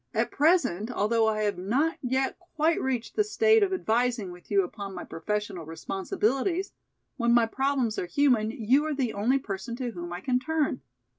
At present, although I have not yet quite reached the state of advising with you upon my professional responsibilities, when my problems are human, you are the only person to whom I can turn.